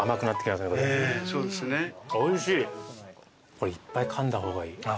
これいっぱいかんだ方がいい。